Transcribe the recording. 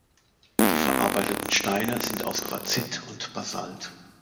Die verarbeiteten Steine sind aus Quarzit und Basalt.